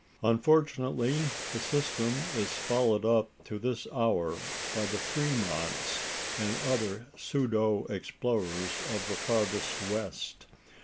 Unfortunately, the system is followed up to this hour by the Fremonts and other pseudo explorers of the farthest west.